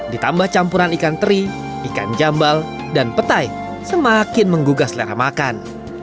ditambah campuran ikan teri ikan jambal dan petai semakin menggugah selera makan